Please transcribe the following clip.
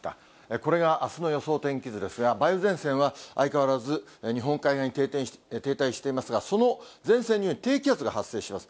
これがあすの予想天気図ですが、梅雨前線は、相変わらず日本海側に停滞していますが、その前線に低気圧が発生します。